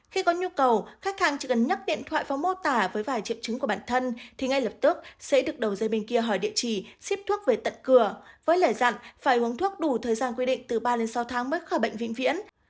khi có nhu cầu khách hàng chỉ cần nhấc điện thoại và mô tả với vài triệu chứng của bản thân thì ngay lập tức sẽ được đầu dây bên kia hỏi địa chỉ ship thuốc về tận cửa với lời dặn phải uống thuốc đủ thời gian quy định từ ba đến sáu tháng mới khỏi bệnh vĩnh viễn